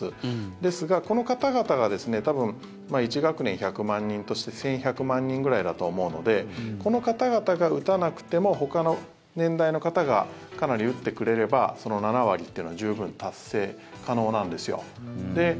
ですが、この方々が１学年１００万人として１１００万人くらいだと思うのでこの方々が打たなくてもほかの年代の方がかなり打ってくれれば７割というのは十分達成可能なんですよ。